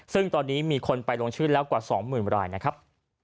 ซึ่งตอนนี้มีคนไปลงชื่อแล้วกว่า๒๐๐๐รายนะครับ